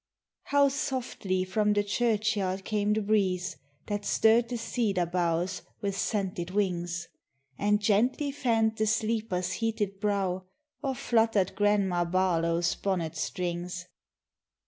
How softly from the churchyard came the breeze That stirred the cedar boughs with scented wings, And gently fanned the sleeper's heated brow Or fluttered Grandma Barlow's bonnet strings.